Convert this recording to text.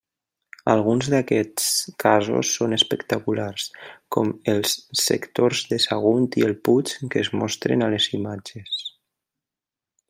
Alguns d'aquests casos són espectaculars, com els sectors de Sagunt i el Puig que es mostren a les imatges.